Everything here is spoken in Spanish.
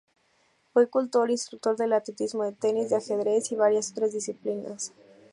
Fue cultor e instructor del atletismo, del tenis, del ajedrez, y varias otras disciplinas.